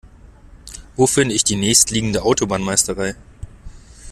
Wo finde ich die nächstliegende Autobahnmeisterei?